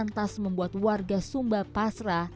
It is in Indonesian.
untuk keluar dari ancaman krisis apapan global